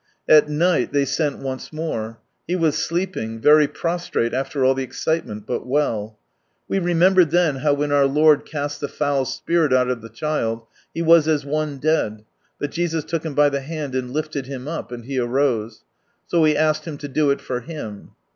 At night they sent once more. He was sleeping, very prostrate after all the excitement, but well. We re membered then, how when our Lord cast the "foul spirit" out of the child, he was as one dead, but Jesus took him by the hand, and lifted him up, and he arose. So we asked Him to do it for him.